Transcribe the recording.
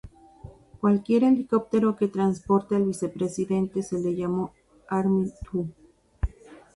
Cualquier helicóptero que transporte al Vicepresidente se le llamó Army Two